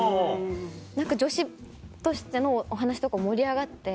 何か女子としてのお話とか盛り上がって。